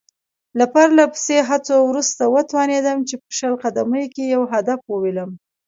له پرله پسې هڅو وروسته وتوانېدم چې په شل قدمۍ کې یو هدف وولم.